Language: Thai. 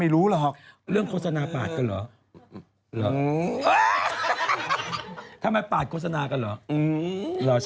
เรื่องโฆษณาปาดกันหรอ